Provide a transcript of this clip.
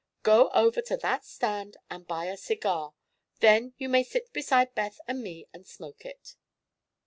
"Go over to that stand and buy a cigar. Then you may sit beside Beth and me and smoke it."